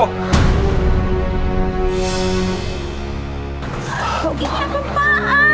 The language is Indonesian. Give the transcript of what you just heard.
kok ini apaan